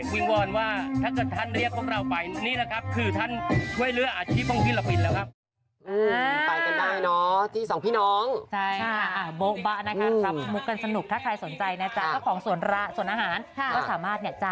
วิ่งวอนว่าถ้าเธอเรียกพวกเราไปนี่นะครับคือท่านช่วยเรืออาชีพวงศิลปินแล้วครับ